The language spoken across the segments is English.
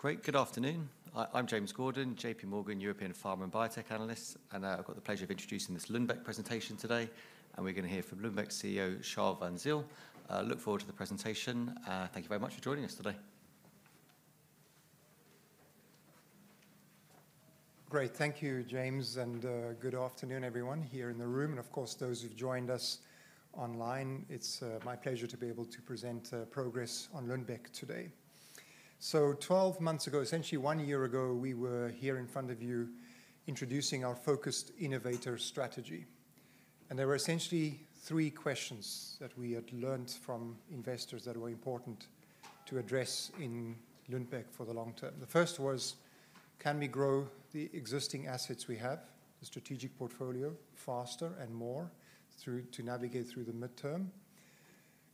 Great. Good afternoon. I'm James Gordon, J.P. Morgan European Pharma and Biotech Analyst, and I've got the pleasure of introducing this Lundbeck presentation today, and we're going to hear from Lundbeck's CEO, Charl van Zyl. I look forward to the presentation. Thank you very much for joining us today. Great. Thank you, James, and good afternoon, everyone here in the room, and of course, those who've joined us online. It's my pleasure to be able to present progress on Lundbeck today, so 12 months ago, essentially one year ago, we were here in front of you introducing our Focused Innovator Strategy, and there were essentially three questions that we had learned from investors that were important to address in Lundbeck for the long term. The first was, can we grow the existing assets we have, the strategic portfolio, faster and more to navigate through the midterm?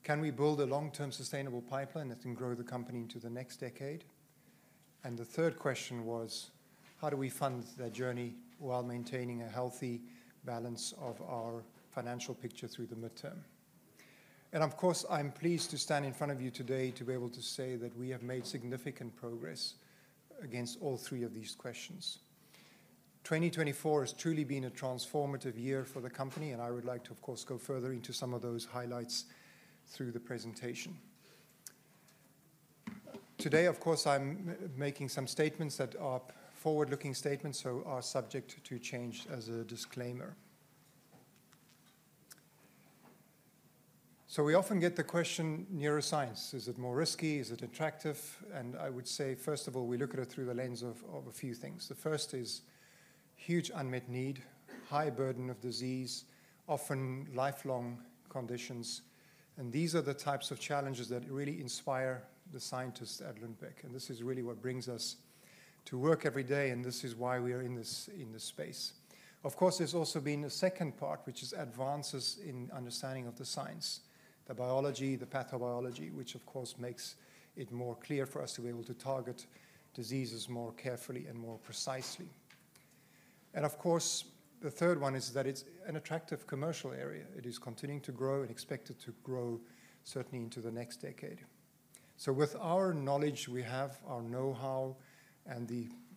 Can we build a long-term sustainable pipeline that can grow the company into the next decade, and the third question was, how do we fund that journey while maintaining a healthy balance of our financial picture through the midterm? Of course, I'm pleased to stand in front of you today to be able to say that we have made significant progress against all three of these questions. 2024 has truly been a transformative year for the company, and I would like to, of course, go further into some of those highlights through the presentation. Today, of course, I'm making some statements that are forward-looking statements, so are subject to change as a disclaimer. We often get the question, neuroscience, is it more risky? Is it attractive? And I would say, first of all, we look at it through the lens of a few things. The first is huge unmet need, high burden of disease, often lifelong conditions. These are the types of challenges that really inspire the scientists at Lundbeck. This is really what brings us to work every day, and this is why we are in this space. Of course, there's also been a second part, which is advances in understanding of the science, the biology, the pathobiology, which of course makes it more clear for us to be able to target diseases more carefully and more precisely. Of course, the third one is that it's an attractive commercial area. It is continuing to grow and expected to grow certainly into the next decade. With our knowledge we have, our know-how, and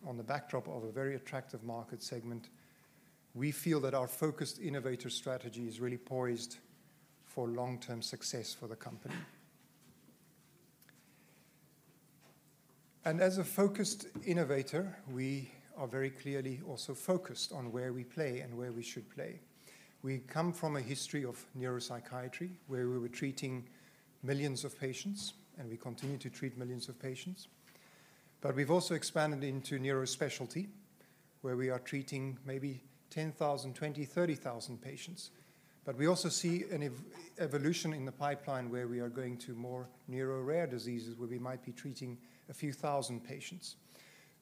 on the backdrop of a very attractive market segment, we feel that our Focused Innovator Strategy is really poised for long-term success for the company. As a Focused Innovator, we are very clearly also focused on where we play and where we should play. We come from a history of neuropsychiatry, where we were treating millions of patients, and we continue to treat millions of patients. But we've also expanded into NeuroSpecialty, where we are treating maybe 10,000, 20,000, 30,000 patients. But we also see an evolution in the pipeline where we are going to more NeuroRare diseases, where we might be treating a few 1000 patients.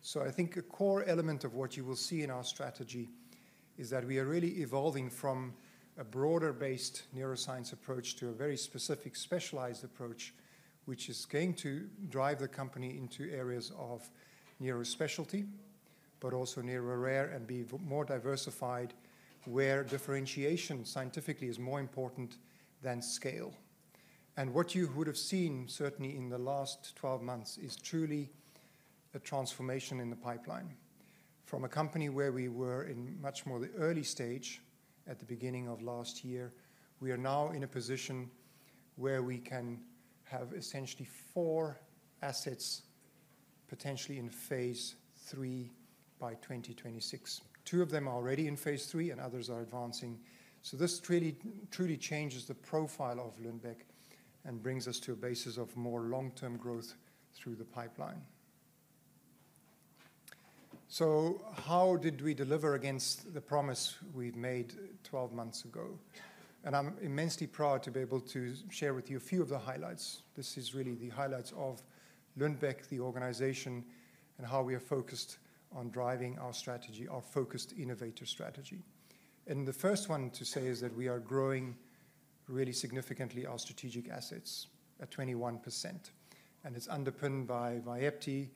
So I think a core element of what you will see in our strategy is that we are really evolving from a broader-based neuroscience approach to a very specific, specialized approach, which is going to drive the company into areas of NeuroSpecialty, but also NeuroRare and be more diversified where differentiation scientifically is more important than scale. And what you would have seen, certainly in the last 12 months, is truly a transformation in the pipeline. From a company where we were in much more the early stage at the beginning of last year, we are now in a position where we can have essentially four assets potentially in phase III by 2026. Two of them are already in phase III, and others are advancing. So this truly changes the profile of Lundbeck and brings us to a basis of more long-term growth through the pipeline. So how did we deliver against the promise we've made 12 months ago? And I'm immensely proud to be able to share with you a few of the highlights. This is really the highlights of Lundbeck, the organization, and how we are focused on driving our strategy, our Focused Innovator Strategy. And the first one to say is that we are growing really significantly our strategic assets at 21%. And it's underpinned by Vyepti,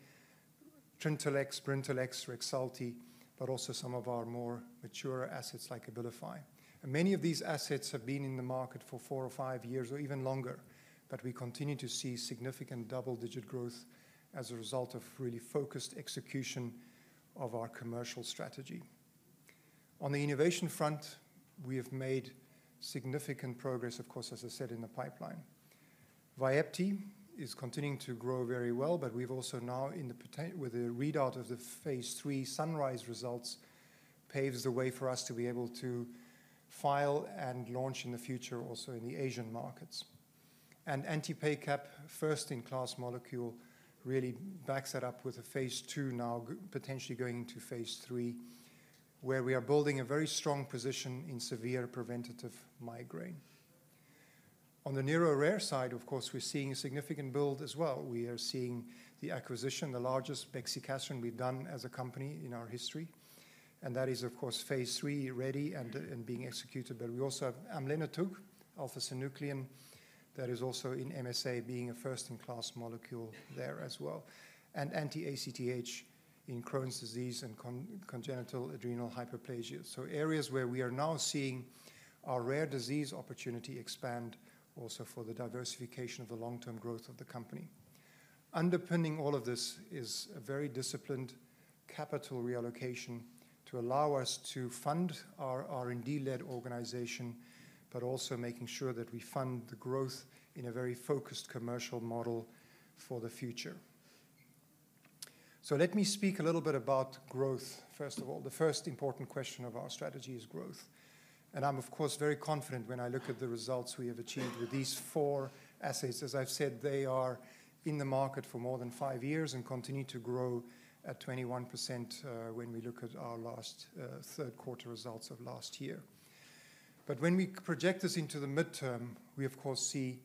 Trintellix, Brintellix, Rexulti, but also some of our more mature assets like Abilify. And many of these assets have been in the market for four or five years or even longer, but we continue to see significant double-digit growth as a result of really focused execution of our commercial strategy. On the innovation front, we have made significant progress, of course, as I said, in the pipeline. Vyepti is continuing to grow very well, but we've also now, with the readout of the phase III SUNRISE results, paved the way for us to be able to file and launch in the future also in the Asian markets. And anti-PACAP, first-in-class molecule, really backs that up with a phase II now, potentially going to phase III, where we are building a very strong position in severe preventative migraine. On the NeuroRare side, of course, we're seeing a significant build as well. We are seeing the acquisition, the largest bexicaserin we've done as a company in our history. And that is, of course, phase III ready and being executed. But we also have amlenetug, alpha-synuclein, that is also in MSA, being a first-in-class molecule there as well. And anti-ACTH in Crohn's disease and congenital adrenal hyperplasia. So areas where we are now seeing our rare disease opportunity expand also for the diversification of the long-term growth of the company. Underpinning all of this is a very disciplined capital reallocation to allow us to fund our R&D-led organization, but also making sure that we fund the growth in a very focused commercial model for the future. So let me speak a little bit about growth, first of all. The first important question of our strategy is growth. I'm, of course, very confident when I look at the results we have achieved with these four assets. As I've said, they are in the market for more than five years and continue to grow at 21% when we look at our last third-quarter results of last year. When we project this into the midterm, we, of course, see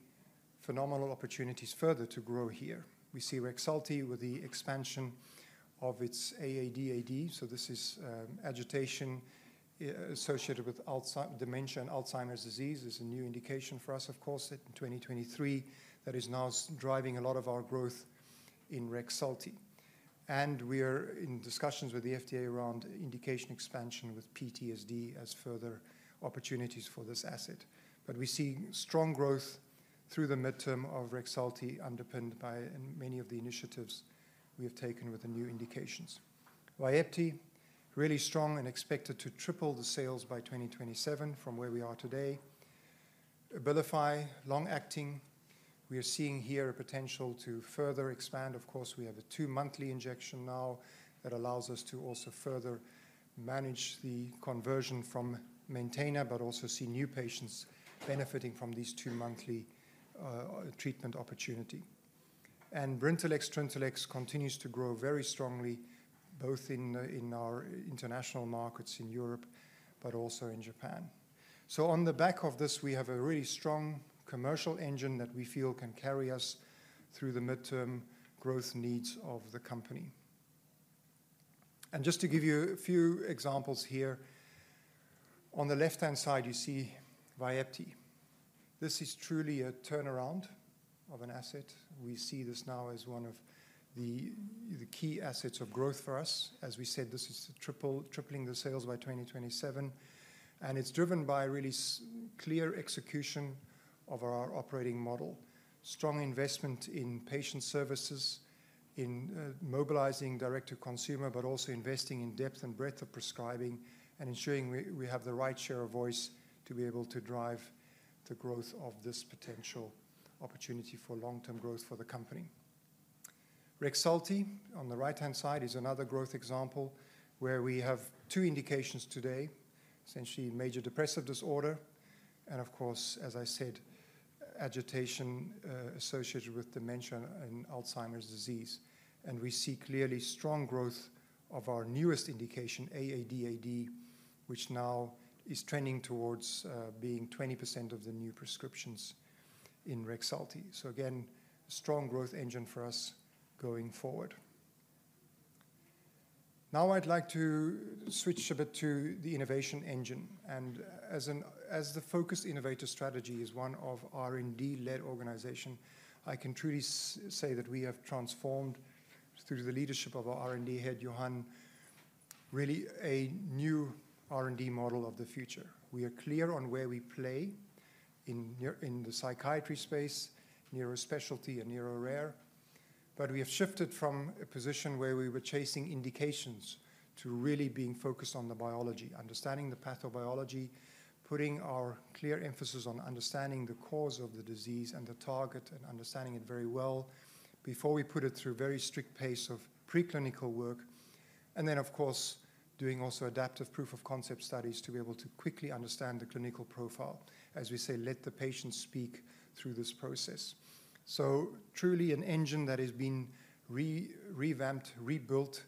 phenomenal opportunities further to grow here. We see Rexulti with the expansion of its AADAD. So this is agitation associated with dementia and Alzheimer's disease. It's a new indication for us, of course, in 2023 that is now driving a lot of our growth in Rexulti. We are in discussions with the FDA around indication expansion with PTSD as further opportunities for this asset. We see strong growth through the midterm of Rexulti, underpinned by many of the initiatives we have taken with the new indications. Vyepti, really strong and expected to triple the sales by 2027 from where we are today. Abilify, long-acting, we are seeing here a potential to further expand. Of course, we have a two-monthly injection now that allows us to also further manage the conversion from Maintena, but also see new patients benefiting from this two-monthly treatment opportunity. And Brintellix, Trintellix continues to grow very strongly, both in our international markets in Europe, but also in Japan. So on the back of this, we have a really strong commercial engine that we feel can carry us through the midterm growth needs of the company. And just to give you a few examples here, on the left-hand side, you see Vyepti. This is truly a turnaround of an asset. We see this now as one of the key assets of growth for us. As we said, this is tripling the sales by 2027, and it's driven by really clear execution of our operating model, strong investment in patient services, in mobilizing direct-to-consumer, but also investing in depth and breadth of prescribing and ensuring we have the right share of voice to be able to drive the growth of this potential opportunity for long-term growth for the company. Rexulti, on the right-hand side, is another growth example where we have two indications today, essentially major depressive disorder, and of course, as I said, agitation associated with dementia due to Alzheimer's disease, and we see clearly strong growth of our newest indication, AADAD, which now is trending towards being 20% of the new prescriptions in Rexulti, so again, a strong growth engine for us going forward. Now I'd like to switch a bit to the innovation engine. As the Focused Innovator Strategy is one of R&D-led organizations, I can truly say that we have transformed through the leadership of our R&D head, Johan, really a new R&D model of the future. We are clear on where we play in the psychiatry space, NeuroSpecialty, and NeuroRare. We have shifted from a position where we were chasing indications to really being focused on the biology, understanding the pathobiology, putting our clear emphasis on understanding the cause of the disease and the target and understanding it very well before we put it through very strict pace of preclinical work. Then, of course, doing also adaptive proof of concept studies to be able to quickly understand the clinical profile, as we say, let the patient speak through this process. Truly an engine that has been revamped, rebuilt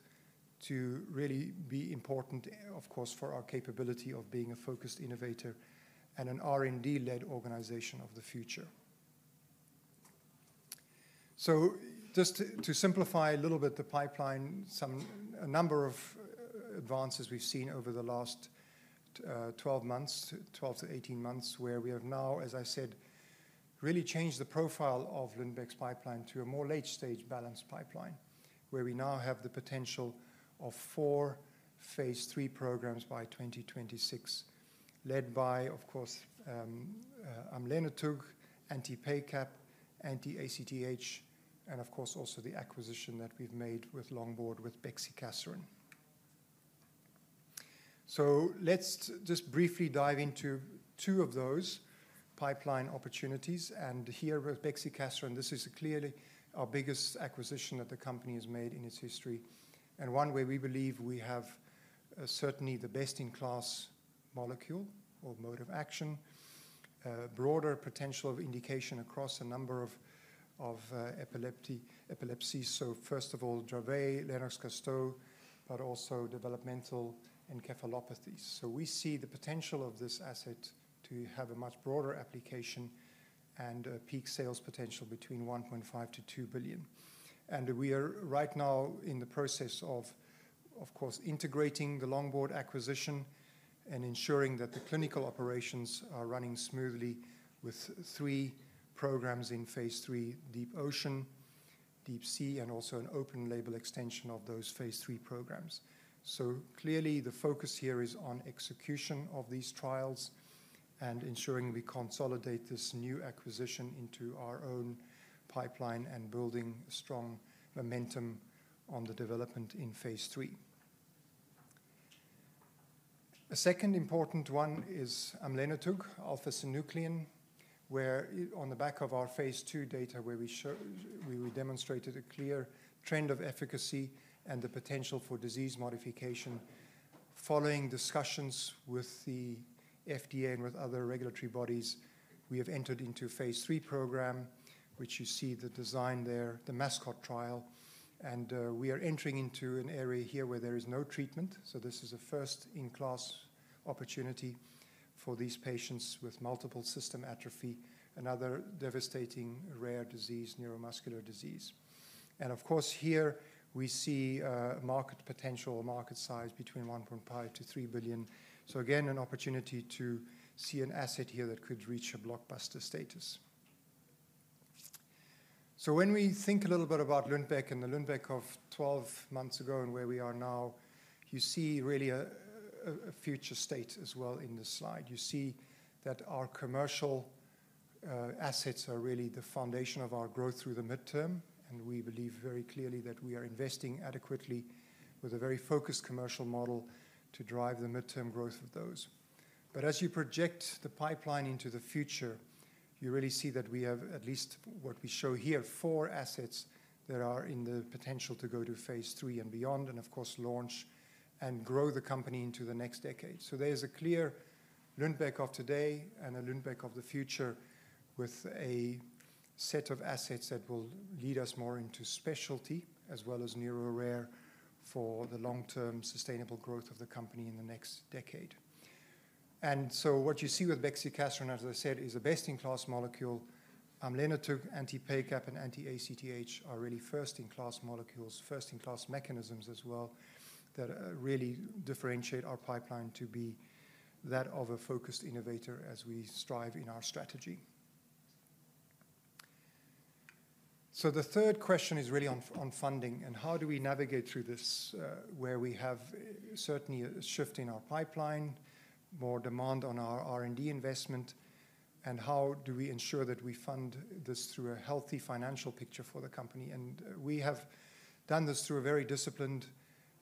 to really be important, of course, for our capability of being a Focused Innovator and an R&D-led organization of the future. Just to simplify a little bit the pipeline, a number of advances we've seen over the last 12 months, 12 -18 months, where we have now, as I said, really changed the profile of Lundbeck's pipeline to a more late-stage balanced pipeline, where we now have the potential of four phase III programs by 2026, led by, of course, amlenetug, anti-PACAP, anti-ACTH, and of course, also the acquisition that we've made with Longboard with bexicaserin. Let's just briefly dive into two of those pipeline opportunities. And here with bexicaserin, this is clearly our biggest acquisition that the company has made in its history. One where we believe we have certainly the best-in-class molecule or mode of action, broader potential of indication across a number of epilepsies. First of all, Dravet, Lennox-Gastaut, but also developmental encephalopathies. We see the potential of this asset to have a much broader application and a peak sales potential between $1.5-2 billion. We are right now in the process of, of course, integrating the Longboard acquisition and ensuring that the clinical operations are running smoothly with three programs in phase III, DEEP OCEAN, DEEP SEA, and also an open-label extension of those phase III programs. Clearly, the focus here is on execution of these trials and ensuring we consolidate this new acquisition into our own pipeline and building strong momentum on the development in phase III. A second important one is amlenetug, alpha-synuclein, where on the back of our phase II data, where we demonstrated a clear trend of efficacy and the potential for disease modification, following discussions with the FDA and with other regulatory bodies, we have entered into a phase III program, which you see the design there, the MASCOT trial. We are entering into an area here where there is no treatment. This is a first-in-class opportunity for these patients with multiple system atrophy, another devastating rare disease, neuromuscular disease. Of course, here we see a market potential, market size between $1.5-$3 billion. Again, an opportunity to see an asset here that could reach a blockbuster status. So when we think a little bit about Lundbeck and the Lundbeck of 12 months ago and where we are now, you see really a future state as well in this slide. You see that our commercial assets are really the foundation of our growth through the midterm. And we believe very clearly that we are investing adequately with a very focused commercial model to drive the midterm growth of those. But as you project the pipeline into the future, you really see that we have at least what we show here, four assets that are in the potential to go to phase III and beyond, and of course, launch and grow the company into the next decade. So there's a clear Lundbeck of today and a Lundbeck of the future with a set of assets that will lead us more into specialty as well as NeuroRare for the long-term sustainable growth of the company in the next decade. And so what you see with bexicaserin, as I said, is a best-in-class molecule. Amlenetug, anti-PACAP, and anti-ACTH are really first-in-class molecules, first-in-class mechanisms as well that really differentiate our pipeline to be that of a Focused Innovator as we strive in our strategy. So the third question is really on funding and how do we navigate through this where we have certainly a shift in our pipeline, more demand on our R&D investment, and how do we ensure that we fund this through a healthy financial picture for the company? We have done this through a very disciplined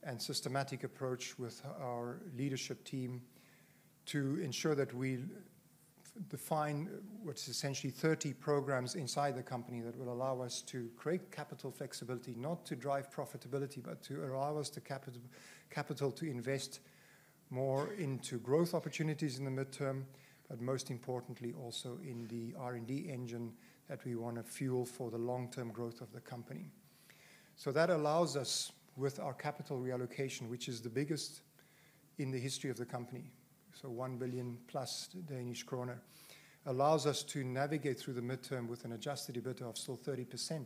and systematic approach with our leadership team to ensure that we define what's essentially 30 programs inside the company that will allow us to create capital flexibility, not to drive profitability, but to allow us the capital to invest more into growth opportunities in the midterm, but most importantly, also in the R&D engine that we want to fuel for the long-term growth of the company. So that allows us, with our capital reallocation, which is the biggest in the history of the company, so 1 billion plus, allows us to navigate through the midterm with an adjusted EBITDA of still 30%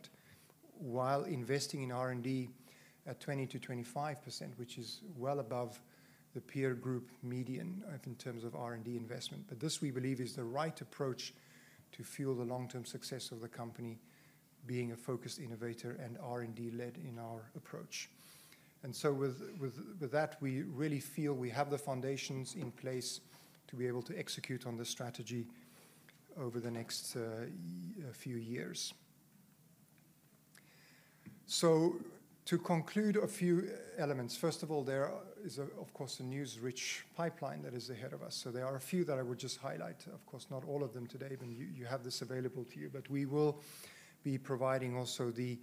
while investing in R&D at 20%-25%, which is well above the peer group median in terms of R&D investment. But this we believe is the right approach to fuel the long-term success of the company being a Focused Innovator and R&D-led in our approach. And so with that, we really feel we have the foundations in place to be able to execute on this strategy over the next few years. So to conclude a few elements, first of all, there is, of course, a news-rich pipeline that is ahead of us. So there are a few that I would just highlight, of course, not all of them today, but you have this available to you. But we will be providing also the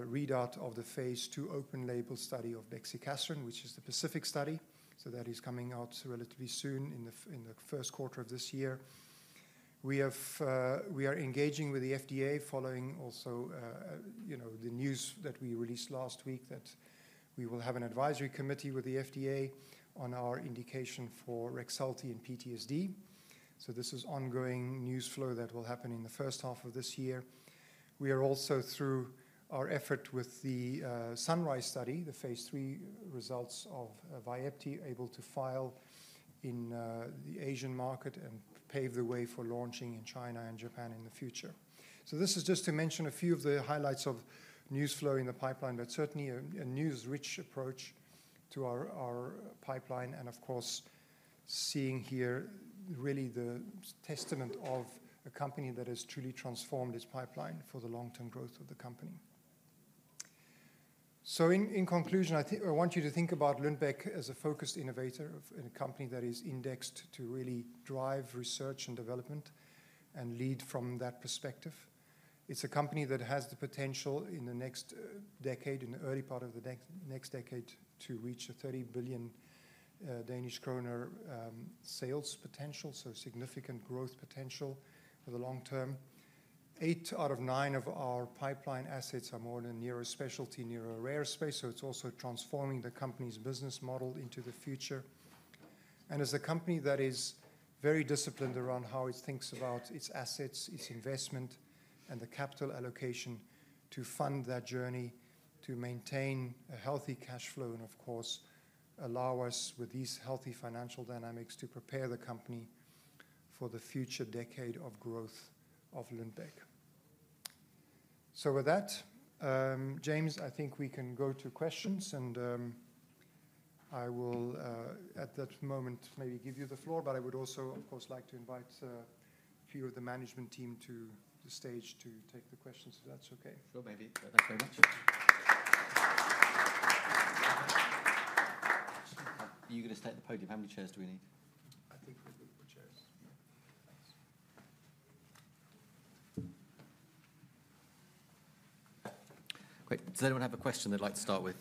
readout of the phase II open-label study of bexicaserin, which is the PACIFIC study. So that is coming out relatively soon in the first quarter of this year. We are engaging with the FDA following also the news that we released last week that we will have an advisory committee with the FDA on our indication for Rexulti and PTSD. So this is ongoing news flow that will happen in the first half of this year. We are also, through our effort with the SUNRISE study, the phase III results of Vyepti, able to file in the Asian market and pave the way for launching in China and Japan in the future. So this is just to mention a few of the highlights of news flow in the pipeline, but certainly a news-rich approach to our pipeline. And of course, seeing here really the testament of a company that has truly transformed its pipeline for the long-term growth of the company. In conclusion, I want you to think about Lundbeck as a Focused Innovator, a company that is indexed to really drive research and development and lead from that perspective. It's a company that has the potential in the next decade, in the early part of the next decade, to reach 30 billion Danish kroner sales potential, so significant growth potential for the long term. Eight out of nine of our pipeline assets are more in the NeuroSpecialty, NeuroRare space. It's also transforming the company's business model into the future. As a company that is very disciplined around how it thinks about its assets, its investment, and the capital allocation to fund that journey to maintain a healthy cash flow and, of course, allow us with these healthy financial dynamics to prepare the company for the future decade of growth of Lundbeck. So with that, James, I think we can go to questions. And I will, at that moment, maybe give you the floor, but I would also, of course, like to invite a few of the management team to the stage to take the questions if that's okay? Sure, maybe. Thanks very much. Are you going to take the podium? How many chairs do we need? I think we're good with chairs. Great. Does anyone have a question they'd like to start with?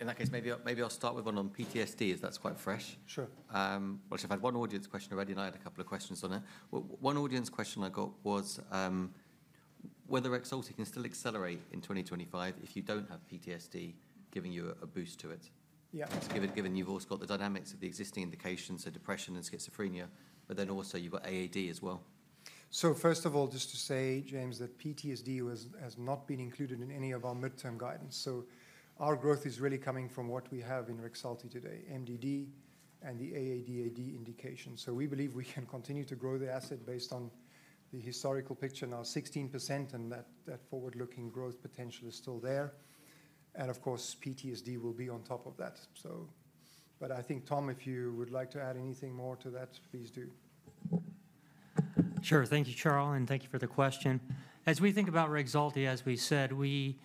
In that case, maybe I'll start with one on PTSD, as that's quite fresh. Sure. Well, actually, I've had one audience question already, and I had a couple of questions on it. One audience question I got was whether Rexulti can still accelerate in 2025 if you don't have PTSD giving you a boost to it, Yeah given you've also got the dynamics of the existing indications, so depression and schizophrenia, but then also you've got AAD as well. So first of all, just to say, James, that PTSD has not been included in any of our midterm guidance. So our growth is really coming from what we have in Rexulti today, MDD and the AADAD indication. So we believe we can continue to grow the asset based on the historical picture now, 16%, and that forward-looking growth potential is still there. And of course, PTSD will be on top of that. But I think, Tom, if you would like to add anything more to that, please do. Sure. Thank you, Charl. And thank you for the question. As we think about Rexulti, as we said, we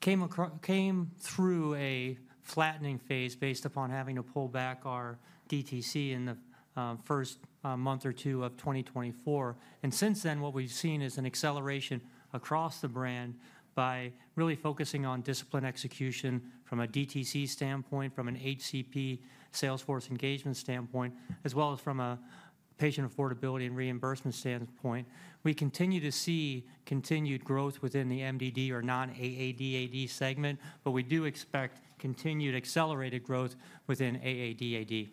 came through a flattening phase based upon having to pull back our DTC in the first month or two of 2024. And since then, what we've seen is an acceleration across the brand by really focusing on discipline execution from a DTC standpoint, from an HCP salesforce engagement standpoint, as well as from a patient affordability and reimbursement standpoint. We continue to see continued growth within the MDD or non-AADAD segment, but we do expect continued accelerated growth within AADAD.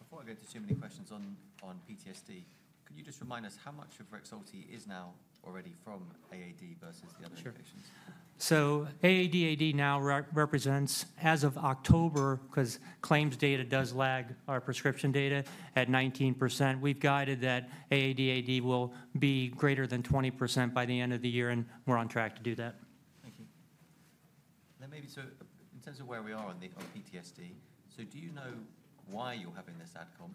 Before I go to too many questions on PTSD, could you just remind us how much of Rexulti is now already from AAD versus the other indications? Sure. So AADAD now represents, as of October, because claims data does lag our prescription data, at 19%. We've guided that AADAD will be greater than 20% by the end of the year, and we're on track to do that. Thank you Then maybe, so in terms of where we are on PTSD, so do you know why you're having this adcom?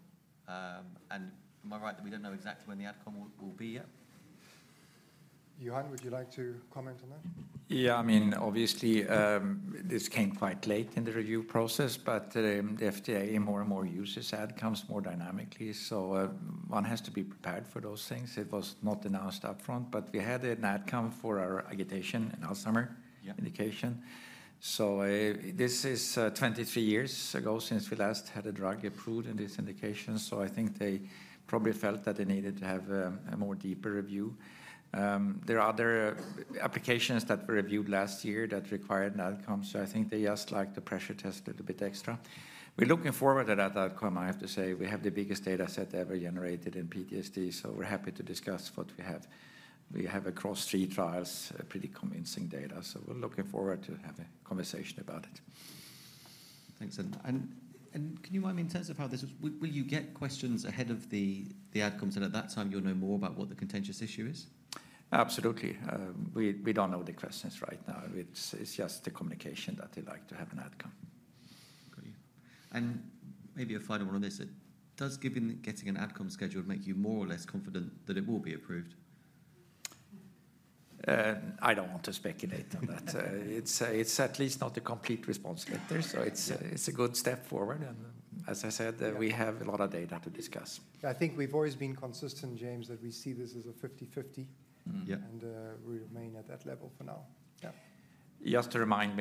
And am I right that we don't know exactly when the adcom will be yet? Johan, would you like to comment on that? Yeah. I mean, obviously, this came quite late in the review process, but the FDA more and more uses adcoms more dynamically, so one has to be prepared for those things. It was not announced upfront, but we had an adcom for our agitation and Alzheimer's indication. This is 23 years ago since we last had a drug approved in this indication, so I think they probably felt that they needed to have a more deeper review. There are other applications that were reviewed last year that required an adcom, so I think they just like to pressure test it a bit extra. We're looking forward to that adcom, I have to say. We have the biggest data set ever generated in PTSD, so we're happy to discuss what we have. We have across three trials pretty convincing data, so we're looking forward to having a conversation about it. Thanks. And can you remind me in terms of how this will you get questions ahead of the adcoms, and at that time, you'll know more about what the contentious issue is? Absolutely. We don't know the questions right now. It's just the communication that they like to have an adcom. Great. And maybe a final one on this. Does getting an adcom schedule make you more or less confident that it will be approved? I don't want to speculate on that. It's at least not a complete response letter, so it's a good step forward, and as I said, we have a lot of data to discuss. I think we've always been consistent, James, that we see this as a 50-50, and we remain at that level for now. Yeah. Just to remind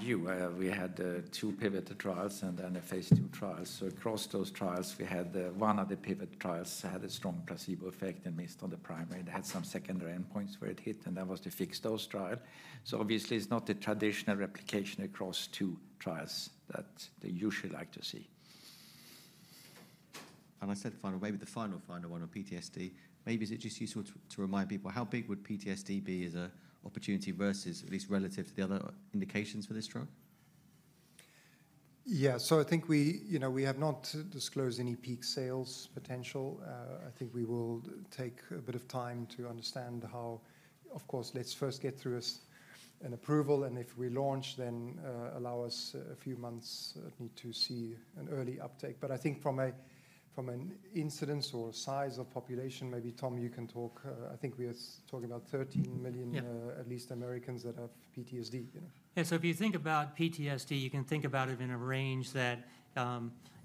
you, we had two pivotal trials and then a phase II trial. So across those trials, we had one of the pivotal trials had a strong placebo effect and missed on the primary. It had some secondary endpoints where it hit, and that was to fix those trials. So obviously, it's not the traditional replication across two trials that they usually like to see. I said the final, maybe the final, final one on PTSD. Maybe is it just useful to remind people how big would PTSD be as an opportunity versus, at least relative to the other indications for this drug? Yeah. So I think we have not disclosed any peak sales potential. I think we will take a bit of time to understand how, of course, let's first get through an approval, and if we launch, then allow us a few months need to see an early uptake. But I think from an incidence or size of population, maybe Tom, you can talk. I think we are talking about 13 million, at least, Americans that have PTSD. Yeah. So if you think about PTSD, you can think about it in a range that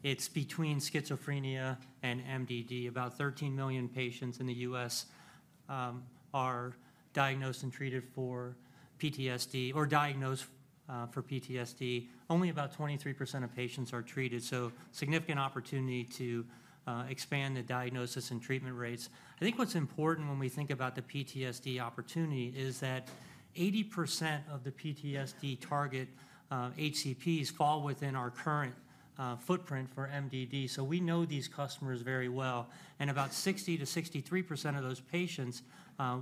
it's between schizophrenia and MDD. About 13 million patients in the U.S. are diagnosed and treated for PTSD or diagnosed for PTSD. Only about 23% of patients are treated. So significant opportunity to expand the diagnosis and treatment rates. I think what's important when we think about the PTSD opportunity is that 80% of the PTSD target HCPs fall within our current footprint for MDD. So we know these customers very well. And about 60%-63% of those patients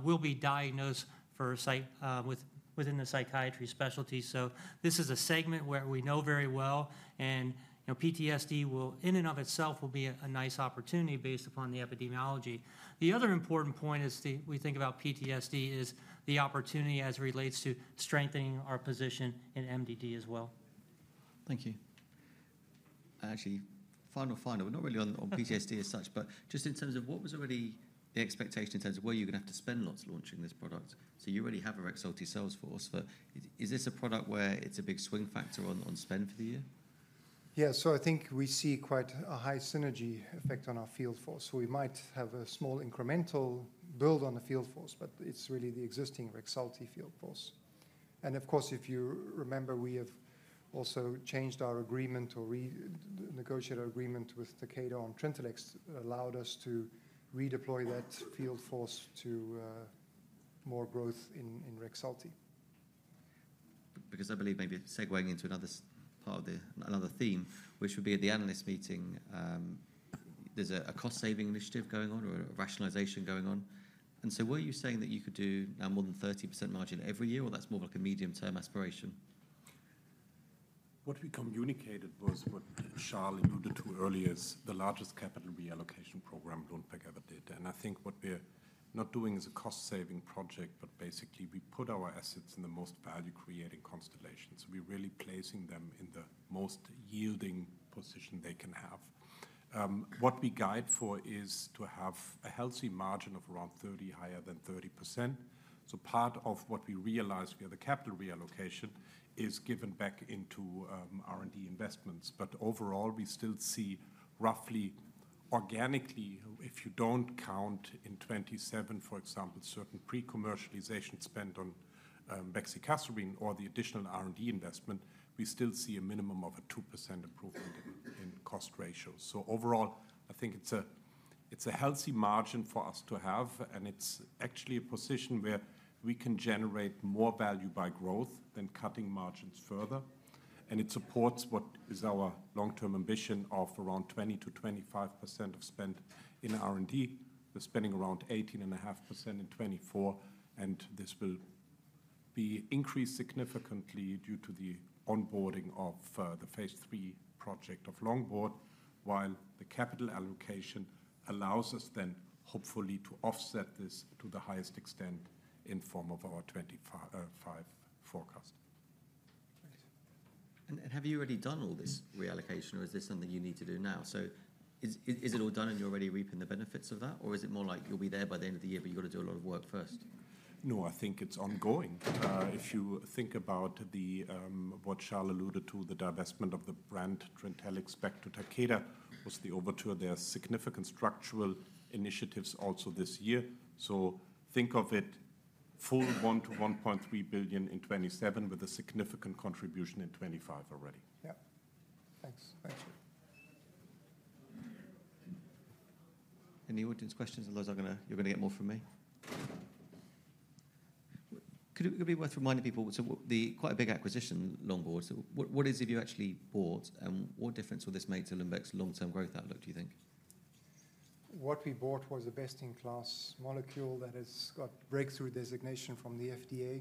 will be diagnosed within the psychiatry specialty. So this is a segment where we know very well, and PTSD, in and of itself, will be a nice opportunity based upon the epidemiology. The other important point as we think about PTSD is the opportunity as it relates to strengthening our position in MDD as well. Thank you. Actually, final, not really on PTSD as such, but just in terms of what was already the expectation in terms of where you're going to have to spend lots launching this product. So you already have a Rexulti salesforce. But is this a product where it's a big swing factor on spend for the year? Yeah. So I think we see quite a high synergy effect on our field force. So we might have a small incremental build on the field force, but it's really the existing Rexulti field force. And of course, if you remember, we have also changed our agreement or negotiated our agreement with Takeda on Trintellix, allowed us to redeploy that field force to more growth in Rexulti. Because I believe maybe segueing into another theme, which would be at the analyst meeting, there's a cost-saving initiative going on or a rationalization going on, and so were you saying that you could do now more than 30% margin every year, or that's more of like a medium-term aspiration? What we communicated was what Charles alluded to earlier is the largest capital reallocation program, Lundbeck Ever did. And I think what we're not doing is a cost-saving project, but basically, we put our assets in the most value-creating constellation. So we're really placing them in the most yielding position they can have. What we guide for is to have a healthy margin of around 30%, higher than 30%. So part of what we realize via the capital reallocation is given back into R&D investments. But overall, we still see roughly organically, if you don't count in 2027, for example, certain pre-commercialization spend on bexicaserin or the additional R&D investment, we still see a minimum of a 2% improvement in cost ratios. So overall, I think it's a healthy margin for us to have, and it's actually a position where we can generate more value by growth than cutting margins further. It supports what is our long-term ambition of around 20%-25% of spend in R&D. We're spending around 18.5% in 2024, and this will be increased significantly due to the onboarding of the phase III project of Longboard, while the capital allocation allows us then, hopefully, to offset this to the highest extent in form of our 2025 forecast. Thanks. And have you already done all this reallocation, or is this something you need to do now? So is it all done, and you're already reaping the benefits of that, or is it more like you'll be there by the end of the year, but you've got to do a lot of work first? No, I think it's ongoing. If you think about what Charles alluded to, the divestment of the brand Trintellix back to Takeda was the overture. There are significant structural initiatives also this year. So think of it full 1-1.3 billion in 2027 with a significant contribution in 2025 already. Yeah. Thanks. Thanks. Any audience questions? Otherwise, you're going to get more from me. It would be worth reminding people, so quite a big acquisition, Longboard. So what is it you actually bought, and what difference will this make to Lundbeck's long-term growth outlook, do you think? What we bought was a best-in-class molecule that has got breakthrough designation from the FDA.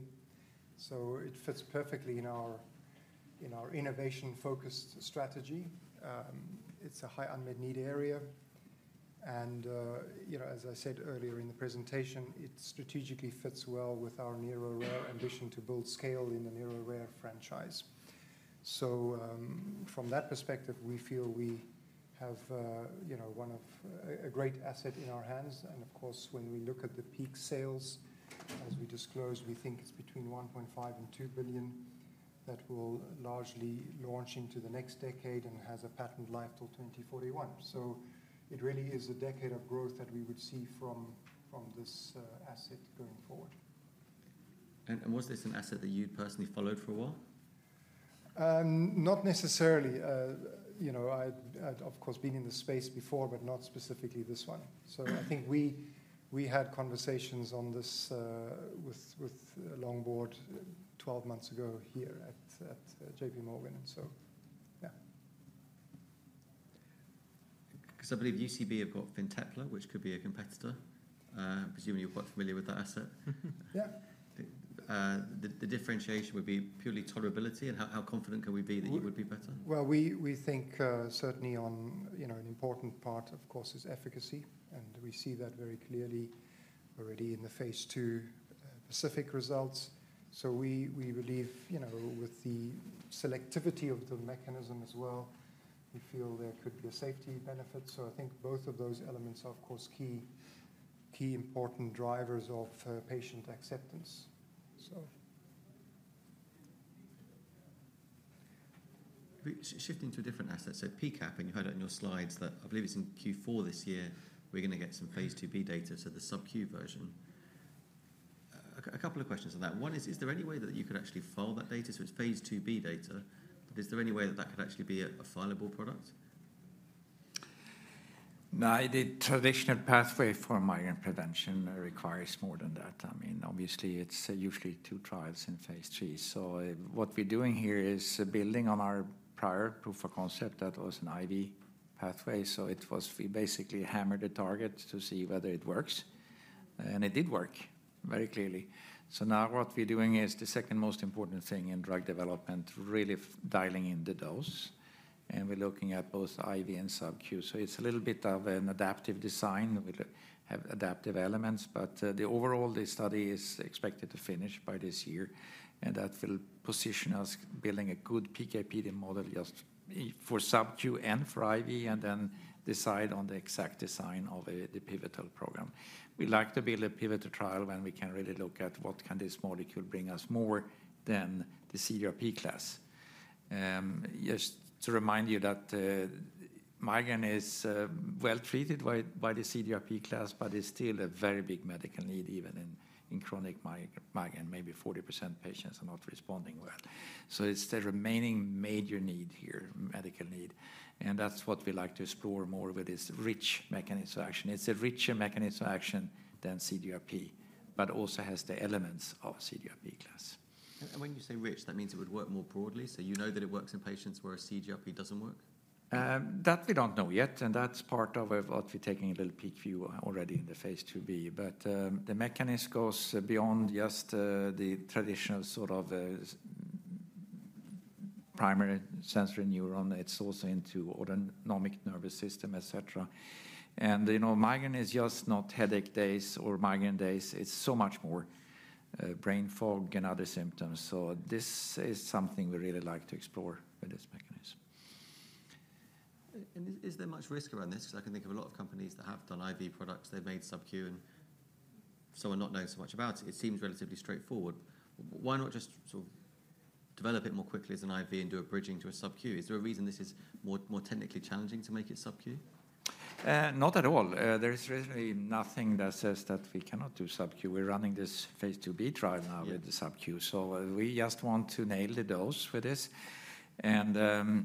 So it fits perfectly in our innovation-focused strategy. It's a high unmet need area. And as I said earlier in the presentation, it strategically fits well with our NeuroRare ambition to build scale in the NeuroRare franchise. So from that perspective, we feel we have a great asset in our hands. And of course, when we look at the peak sales, as we disclosed, we think it's between $1.5 and $2 billion that will largely launch into the next decade and has a patent life till 2041. So it really is a decade of growth that we would see from this asset going forward. Was this an asset that you'd personally followed for a while? Not necessarily. I had, of course, been in the space before, but not specifically this one. So I think we had conversations on this with Longboard 12 months ago here at J.P. Morgan. So yeah. Because I believe UCB have got Fintepla, which could be a competitor, presumably you're quite familiar with that asset. Yeah. The differentiation would be purely tolerability, and how confident can we be that you would be better? We think certainly an important part, of course, is efficacy. We see that very clearly already in the phase II PACIFIC results. We believe with the selectivity of the mechanism as well, we feel there could be a safety benefit. I think both of those elements are, of course, key important drivers of patient acceptance. Shifting to a different asset, so PACAP, and you heard it in your slides that I believe it's in Q4 this year, we're going to get some phase IIb data, so the sub-Q version. A couple of questions on that. One is, is there any way that you could actually file that data? So it's phase IIb data, but is there any way that that could actually be a filable product? Now, the traditional pathway for migraine prevention requires more than that. I mean, obviously, it's usually two trials in phase III. So what we're doing here is building on our prior proof of concept that was an IV pathway. So it was we basically hammered a target to see whether it works, and it did work very clearly. So now what we're doing is the second most important thing in drug development, really dialing in the dose. And we're looking at both IV and sub-Q. So it's a little bit of an adaptive design. We have adaptive elements, but overall, the study is expected to finish by this year. And that will position us building a good PKPD model just for sub-Q and for IV, and then decide on the exact design of the pivotal program. We'd like to build a pivotal trial when we can really look at what can this molecule bring us more than the CGRP class. Just to remind you that migraine is well treated by the CGRP class, but it's still a very big medical need, even in chronic migraine. Maybe 40% of patients are not responding well. So it's the remaining major need here, medical need, and that's what we'd like to explore more with this rich mechanism of action. It's a richer mechanism of action than CGRP, but also has the elements of CGRP class. And when you say rich, that means it would work more broadly? So you know that it works in patients where CGRP doesn't work? That we don't know yet, and that's part of what we're taking a little peek view already in the phase IIb. But the mechanism goes beyond just the traditional sort of primary sensory neuron. It's also into autonomic nervous system, etc. And migraine is just not headache days or migraine days. It's so much more brain fog and other symptoms. So this is something we really like to explore with this mechanism. And is there much risk around this? Because I can think of a lot of companies that have done IV products. They've made sub-Q, and some are not knowing so much about it. It seems relatively straightforward. Why not just sort of develop it more quickly as an IV and do a bridging to a sub-Q? Is there a reason this is more technically challenging to make it sub-Q? Not at all. There is really nothing that says that we cannot do sub-Q. We're running this phase IIb trial now with the sub-Q. So we just want to nail the dose with this. And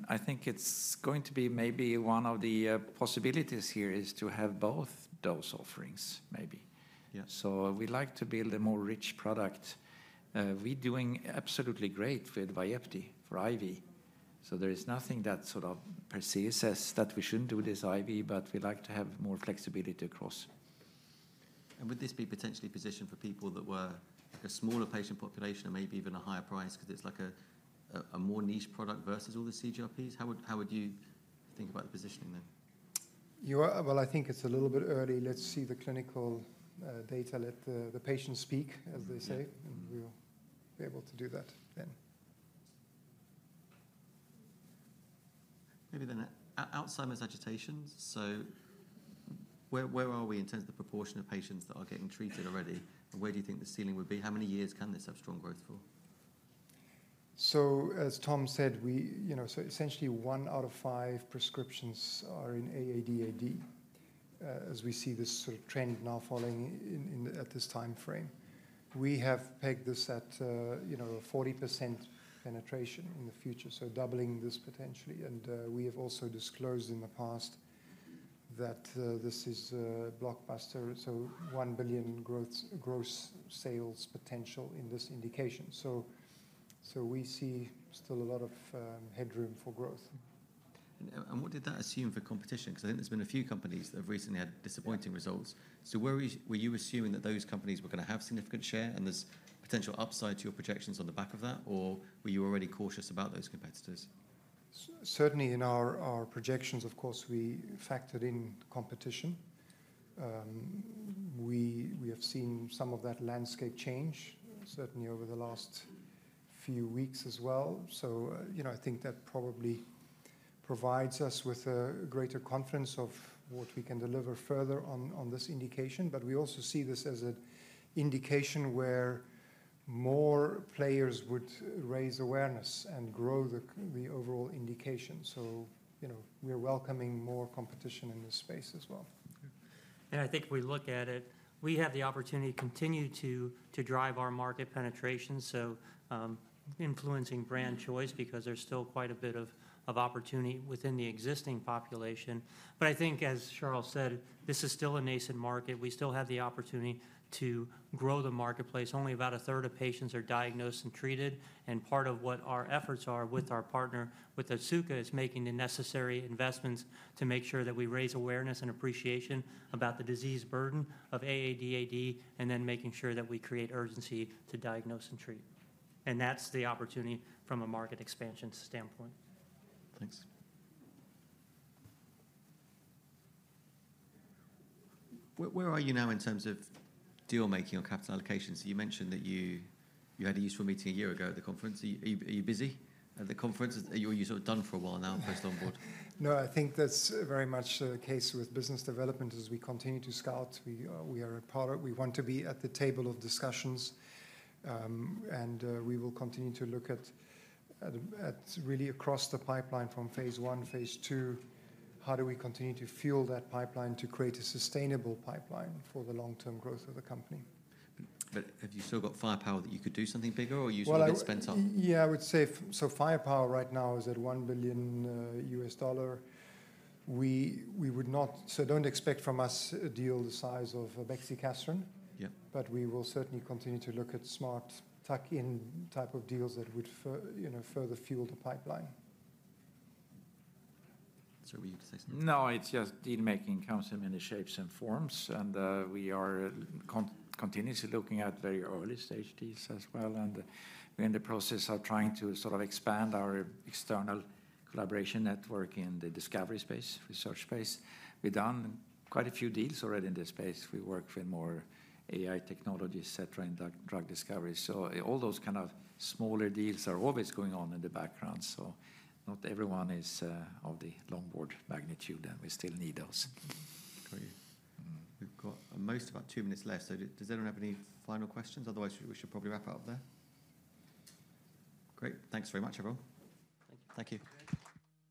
I think it's going to be maybe one of the possibilities here is to have both dose offerings, maybe. So we'd like to build a more rich product. We're doing absolutely great with Vyepti for IV. So there is nothing that sort of precludes that we shouldn't do this IV, but we'd like to have more flexibility across. Would this be potentially positioned for people that were a smaller patient population and maybe even a higher price because it's like a more niche product versus all the CGRPs? How would you think about the positioning then? I think it's a little bit early. Let's see the clinical data. Let the patients speak, as they say, and we'll be able to do that then. Maybe then Alzheimer's agitation. So where are we in terms of the proportion of patients that are getting treated already, and where do you think the ceiling would be? How many years can this have strong growth for? As Tom said, essentially one out of five prescriptions are in AADAD, as we see this sort of trend now falling at this time frame. We have pegged this at a 40% penetration in the future, so doubling this potentially. We have also disclosed in the past that this is a blockbuster, so $1 billion gross sales potential in this indication. We see still a lot of headroom for growth. And what did that assume for competition? Because I think there's been a few companies that have recently had disappointing results. So were you assuming that those companies were going to have significant share and there's potential upside to your projections on the back of that, or were you already cautious about those competitors? Certainly in our projections, of course, we factored in competition. We have seen some of that landscape change, certainly over the last few weeks as well. So I think that probably provides us with a greater confidence of what we can deliver further on this indication. But we also see this as an indication where more players would raise awareness and grow the overall indication. So we're welcoming more competition in this space as well. I think we look at it, we have the opportunity to continue to drive our market penetration, so influencing brand choice because there's still quite a bit of opportunity within the existing population. I think, as Charles said, this is still a nascent market. We still have the opportunity to grow the marketplace. Only about a third of patients are diagnosed and treated. Part of what our efforts are with our partner, with Otsuka, is making the necessary investments to make sure that we raise awareness and appreciation about the disease burden of AADAD and then making sure that we create urgency to diagnose and treat. That's the opportunity from a market expansion standpoint. Thanks. Where are you now in terms of dealmaking or capital allocation? So you mentioned that you had a useful meeting a year ago at the conference. Are you busy at the conference? Are you sort of done for a while now post-Longboard? No, I think that's very much the case with business development as we continue to scout. We are a part of. We want to be at the table of discussions, and we will continue to look at really across the pipeline from phase I, phase II, how do we continue to fuel that pipeline to create a sustainable pipeline for the long-term growth of the company. But have you still got firepower that you could do something bigger, or are you sort of tapped out? Yeah, I would say so. Firepower right now is at $1 billion. We would not, so don't expect from us a deal the size of a bexicaserin, but we will certainly continue to look at smart tuck-in type of deals that would further fuel the pipeline. Sorry, were you going to say something? No, it's just dealmaking comes in many shapes and forms, and we are continuously looking at very early stage deals as well, and we're in the process of trying to sort of expand our external collaboration network in the discovery space, research space. We've done quite a few deals already in this space. We work with more AI technologies, etc., in drug discovery, so all those kind of smaller deals are always going on in the background, so not everyone is of the Longboard magnitude, and we still need those. Great. We've got most about two minutes left. So does anyone have any final questions? Otherwise, we should probably wrap up there. Great. Thanks very much, everyone. Thank you. Thank you.